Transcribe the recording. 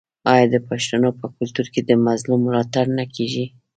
آیا د پښتنو په کلتور کې د مظلوم ملاتړ نه کیږي؟